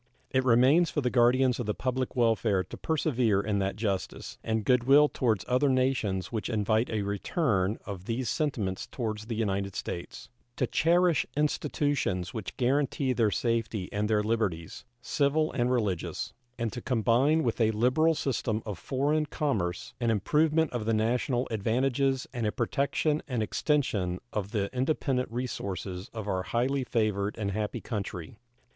It remains for the guardians of the public welfare to persevere in that justice and good will toward other nations which invite a return of these sentiments toward the United States; to cherish institutions which guarantee their safety and their liberties, civil and religious; and to combine with a liberal system of foreign commerce an improvement of the national advantages and a protection and extension of the independent resources of our highly favored and happy country.